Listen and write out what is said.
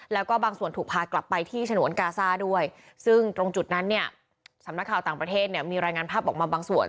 แล้วก็บางส่วนถูกพากลับไปที่ฉนวนกาซ่าด้วยซึ่งตรงจุดนั้นเนี่ยสำนักข่าวต่างประเทศเนี่ยมีรายงานภาพออกมาบางส่วน